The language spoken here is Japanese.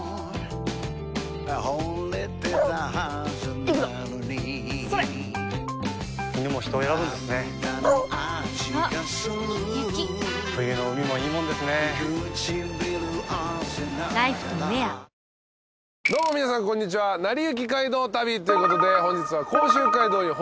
どうも皆さんこんにちは『なりゆき街道旅』ということで本日は。